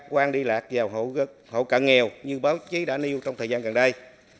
quan đi lạc vào hộ cận nghèo như báo chí đã nêu trong thời gian gần đây